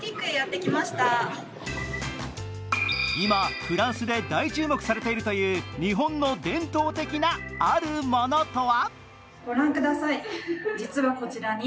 今、フランスで大注目されているという日本の伝統的なあるものとは？